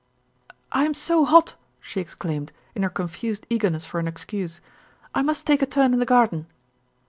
"I am so hot!" she exclaimed, in her confused eagerness for an excuse; "I must take a turn in the garden."